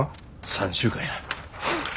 ３週間や。